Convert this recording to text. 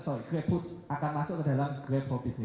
sorry grabhood akan masuk ke dalam grab for business